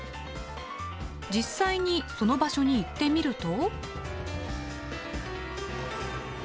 実際にその場所に行ってみると。